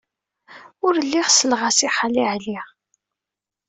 Ur lliɣ selleɣ-as i Xali Ɛli.